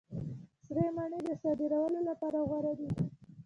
سرې مڼې د صادرولو لپاره غوره دي.